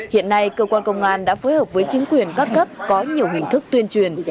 hiện nay cơ quan công an đã phối hợp với chính quyền các cấp có nhiều hình thức tuyên truyền